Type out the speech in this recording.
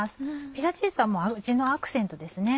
ピザチーズは味のアクセントですね。